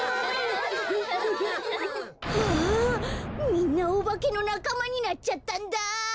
みんなおばけのなかまになっちゃったんだ！